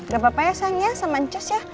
gak apa apa ya sang ya sama ances ya